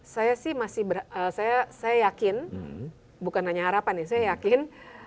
saya sih masih saya yakin bukan hanya harapan ya saya yakin